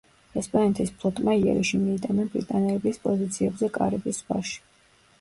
ესპანეთის ფლოტმა იერიში მიიტანა ბრიტანელების პოზიციებზე კარიბის ზღვაში.